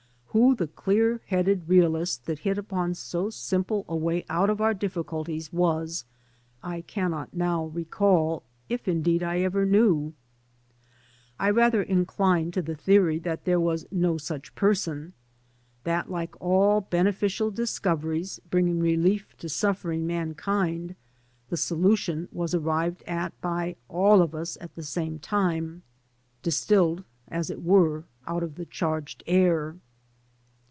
Who the clear headed realist that hit upon so simple a way out of our difficulties was I cannot now recall, if indeed I ever knew. I rather incline to the theory that there was no such person — that, like all beneficial discoveries bringing relief to suffering mankind, the solution was arrived at by all of us at the same time, distilled, as it were, out of the charged air.